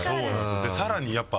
さらにやっぱ。